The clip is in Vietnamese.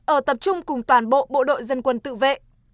ở tập trung cùng toàn bộ bộ đội dân quân tự vệ